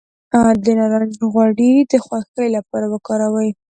د نارنج غوړي د خوښۍ لپاره وکاروئ